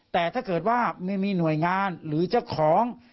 แต่ถ้าเกิดว่าไม่มีหน่วยงานหรือเจ้าของ